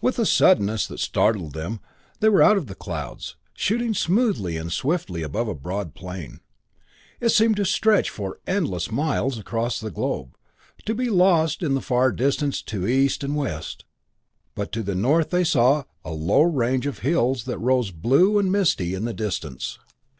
With a suddenness that startled them, they were out of the clouds, shooting smoothly and swiftly above a broad plain. It seemed to stretch for endless miles across the globe, to be lost in the far distance to east and west; but to the north they saw a low range of hills that rose blue and misty in the distance.